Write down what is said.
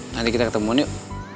nanti kita ketemuan yuk